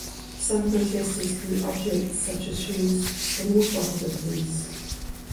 Some protesters threw objects such as shoes and water bottles at police.